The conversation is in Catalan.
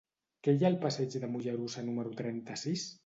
Què hi ha al passeig de Mollerussa número trenta-sis?